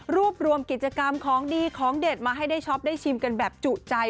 รวมกิจกรรมของดีของเด็ดมาให้ได้ช็อปได้ชิมกันแบบจุใจ